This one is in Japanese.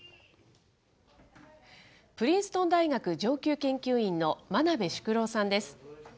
プリンストン大学上級研究員の真鍋淑郎さんです。